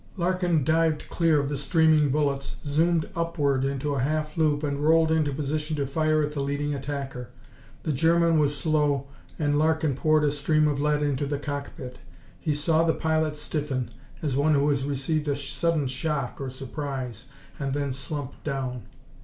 Larkin dived clear of the streaming bullets, zoomed upward into a half loop and rolled into position to fire at the leading attacker. The German was slow and Larkin poured a stream of lead into the cockpit. He saw the pilot stiffen, as one who has received a sudden shock or surprise, and then slump down.